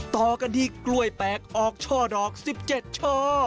ต่อกันที่กล้วยแปลกออกช่อดอก๑๗ช่อ